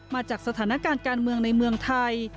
มาจากสถานการณ์การเมืองในเมืองไทย